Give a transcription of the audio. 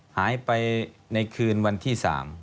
หายไปในคืนวันที่๓